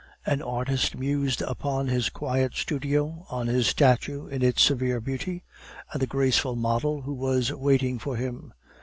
An artist mused upon his quiet studio, on his statue in its severe beauty, and the graceful model who was waiting for him.